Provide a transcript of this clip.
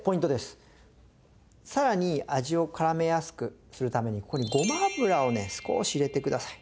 さらに味を絡めやすくするためにここにごま油をね少し入れてください。